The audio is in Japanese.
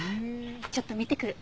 ちょっと見てくる。